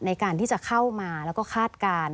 ในการที่จะเข้ามาแล้วก็คาดการณ์